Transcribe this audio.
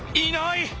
いない！